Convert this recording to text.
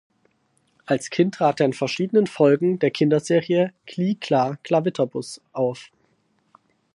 Als Kind trat er in verschiedenen Folgen der Kinderserie "Kli-Kla-Klawitterbus" auf.